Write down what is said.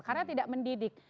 karena tidak mendidik